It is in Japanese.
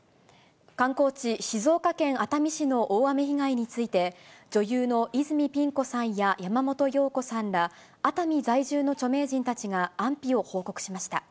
観光地、静岡県熱海市の大雨被害について、女優の泉ピン子さんや山本陽子さんら、熱海在住の著名人たちが安否を報告しました。